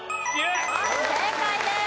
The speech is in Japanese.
正解です。